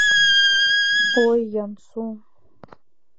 Ой, Ян-Су